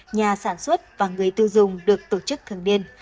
nhà sản xuất và người tiêu dùng được tổ chức thường niên